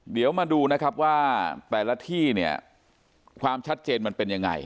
เดี๋ยวมาดูนะครับว่าแต่ละที่เนี่ยความชัดเจนมันเป็นยังไง